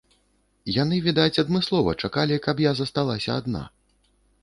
Яны, відаць, адмыслова чакалі, каб я засталася адна.